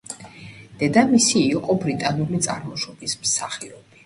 დედამისი იყო ბრიტანული წარმოშობის მსახიობი.